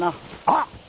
あっ。